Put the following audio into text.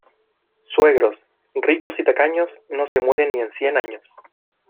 Suegros, ricos y tacaños, no se mueren ni en cien años.